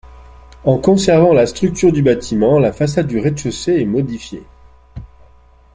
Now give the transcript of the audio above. En conservant la structure du bâtiment, la façade du rez-de-chaussée est modifiée.